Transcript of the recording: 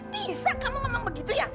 bisa kamu memang begitu ya